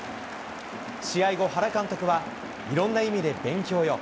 試合後、原監督はいろんな意味で勉強よ。